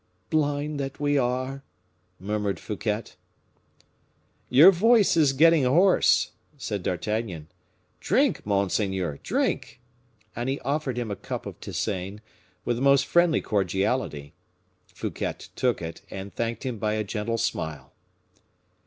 "Blind that we are!" murmured Fouquet. "Your voice is getting hoarse," said D'Artagnan; "drink, monseigneur, drink!" And he offered him a cup of tisane, with the most friendly cordiality; Fouquet took it, and thanked him by a gentle smile.